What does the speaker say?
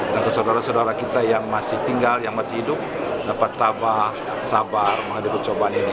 dan saudara saudara kita yang masih tinggal yang masih hidup dapat tabah sabar menghadir kecobaan ini